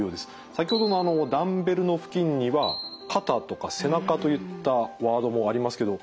先ほどもダンベルの付近には「肩」とか「背中」といったワードもありますけど。